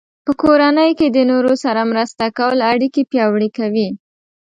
په کورنۍ کې د نورو سره مرسته کول اړیکې پیاوړې کوي.